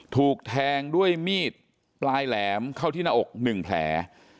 ถูกแทงด้วยมีดปลายแหลมเข้าที่หน้าอก๑แผล